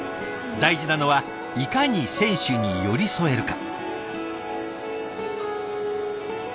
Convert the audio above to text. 大事なのはいかに選手に寄り添えるか。